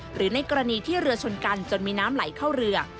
หรือในกรณีที่เรือชนกันจนมีน้ำไหลเข้าเรือ